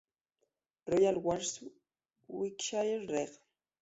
Royal Warwickshire Reg.